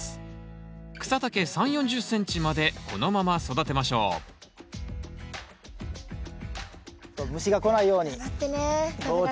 草丈３０４０ｃｍまでこのまま育てましょう虫が来ないように防虫ネット。